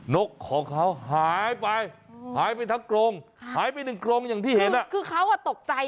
นกของเขาหายไปหายไปทั้งกรงหายไปหนึ่งกรงอย่างที่เห็นอ่ะคือเขาอ่ะตกใจ